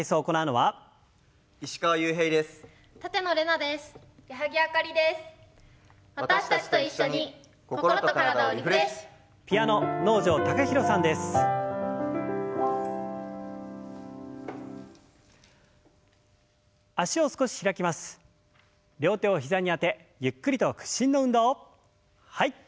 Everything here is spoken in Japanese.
はい。